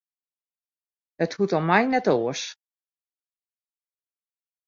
It hoecht om my net oars.